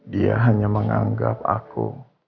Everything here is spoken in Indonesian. dia hanya menganggap aku